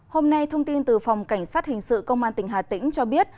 hôm nay thông tin từ phòng cảnh sát hình sự công an tỉnh hà tĩnh cho biết